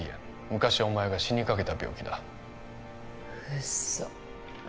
昔お前が死にかけた病気だ嘘！？